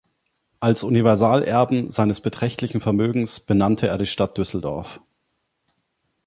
Als Universalerben seines beträchtlichen Vermögens benannte er die Stadt Düsseldorf.